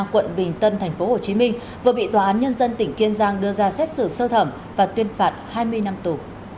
quận bình tân tp hồ chí minh vừa bị tòa án nhân dân tỉnh kiên giang đưa ra xét xử sơ thẩm và tuyên phạt hai mươi năm tù